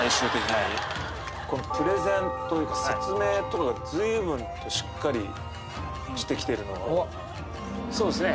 はいこのプレゼンというか説明とかが随分としっかりしてきてるのはそうですね